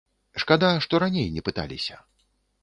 Шкада, што раней не пыталіся.